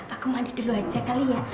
aku mandi dulu aja kali ya